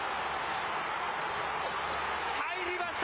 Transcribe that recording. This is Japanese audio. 入りました！